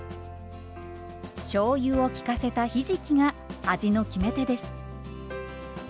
しょうゆを効かせたひじきが味の決め手です。